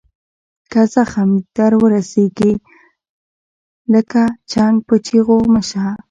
که زخم در ورسیږي لکه چنګ په چیغو مه شه.